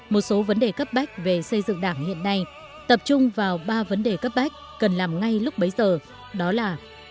một số vấn đề cấp bách về xây dựng đảng hiện nay tập trung vào ba vấn đề cấp bách cần làm ngay lúc bấy giờ đó là